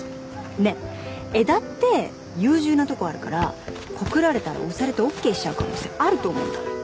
ねえ江田って優柔なとこあるから告られたら押されてオーケーしちゃう可能性あると思うんだ